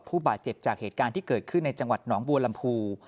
ผู้บาดเจ็บจากเหตุการณ์ที่เกิดขึ้นในจังหวัดหนองบัวลำพู